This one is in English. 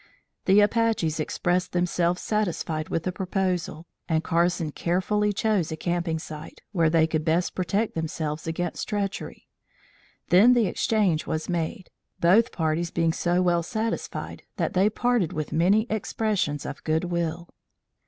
The Apaches expressed themselves satisfied with the proposal, and Carson carefully chose a camping site, where they could best protect themselves against treachery. Then the exchange was made, both parties being so well satisfied that they parted with many expressions of good will.